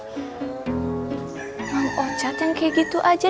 memang ocat yang kayak gitu aja